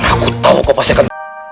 aku tahu kau pasti akan